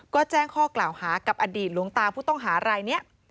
ก็แจ้งข้อกล่าวหากับอดีตหลวงตาผู้ต้องหารายนี้